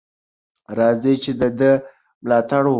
راځئ چې د ده ملاتړ وکړو.